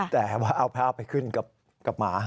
แต่ว่าเอาภาพไปขึ้นกับหมา